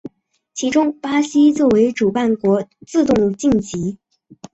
其中巴西作为主办国自动晋级。